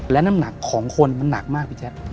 และน้ำหนักของคนมันหนักมากพี่แจ๊ค